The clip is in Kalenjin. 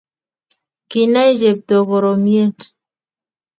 Kinai chepto koromiet